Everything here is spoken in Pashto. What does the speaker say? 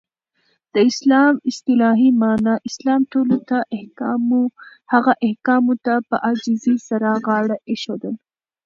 د اسلام اصطلاحی معنا : اسلام ټولو هغه احکامو ته په عاجزی سره غاړه ایښودل.